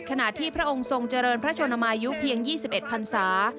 ขณะที่พระองค์ทรงเจริญพระชนมายุเพียง๒๑พันศา